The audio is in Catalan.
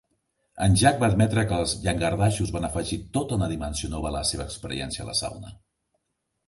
En Jack va admetre que els llangardaixos van afegir tota una dimensió nova a la seva experiència a la sauna.